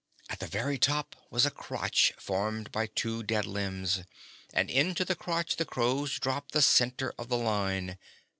At the very top was a crotch, formed by two dead limbs, and into the crotch the crows dropped the center of the line.